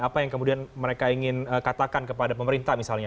apa yang kemudian mereka ingin katakan kepada pemerintah misalnya